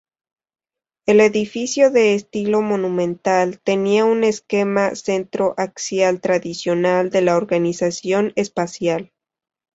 El edificio, de estilo monumental, tenía un esquema centro-axial tradicional de la organización espacial.